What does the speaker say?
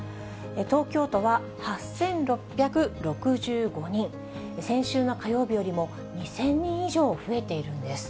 東京都は８６６５人、先週の火曜日よりも２０００人以上増えているんです。